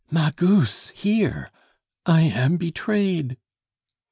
"Magus here!... I am betrayed!"